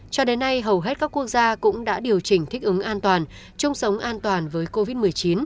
cho đến nay hầu hết các quốc gia cũng đã điều chỉnh thích ứng an toàn chung sống an toàn với covid một mươi chín